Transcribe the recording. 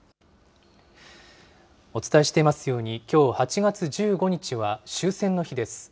お伝えしていますように、きょう８月１５日は終戦の日です。